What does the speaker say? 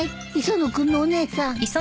磯野君のお姉さん。